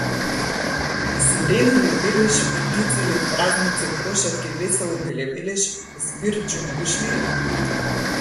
Сирени ли, велиш, птици ли, празници, прошетки, веселби ли велиш, збир џумбушлии?